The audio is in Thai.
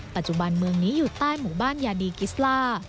ปัจจุบันเมืองนี้อยู่ใต้หมู่บ้านยาดีกิสล่า